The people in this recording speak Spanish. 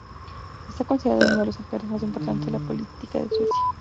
Está considerado uno de los actos más importantes de la política de Suecia.